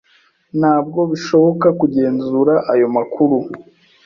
Ntabwo bishoboka kugenzura ayo makuru